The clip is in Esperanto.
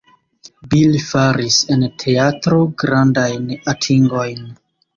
Bill faris en teatro grandajn atingojn.